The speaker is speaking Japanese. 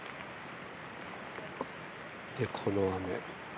で、この雨。